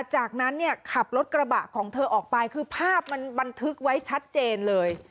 จากนั้นเนี่ยขับรถกระบะของเธอออกไปคือภาพมันบันทึกไว้ชัดเจนเลย